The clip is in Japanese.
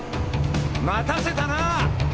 待たせたな。